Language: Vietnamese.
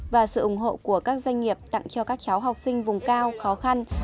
và sự ủng hộ của các doanh nghiệp tặng cho các cháu học sinh vùng cao khó khăn